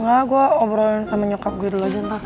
nggak gue obrolin sama nyokap gue dulu aja ntar